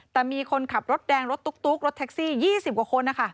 แต่มีคนขับรถแดงรถตุ๊กรถแท็กซี่๒๐กว่าคนนะคะ